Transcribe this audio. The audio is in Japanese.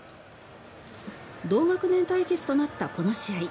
同学年対決となったこの試合。